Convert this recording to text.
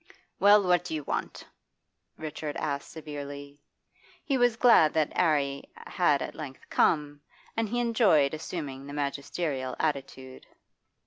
'Well, what do you want?' Richard asked severely. He was glad that 'Arry had at length come, and he enjoyed assuming the magisterial attitude.